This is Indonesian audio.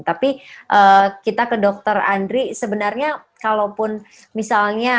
tapi kita ke dokter andri sebenarnya kalau pun misalnya